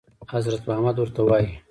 حضرت محمد ورته وايي.